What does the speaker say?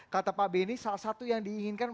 kata pak beni salah satu yang diinginkan